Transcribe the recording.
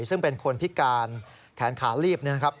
ซึ่งเป็นคนพิการแขนขาลีบนะครับ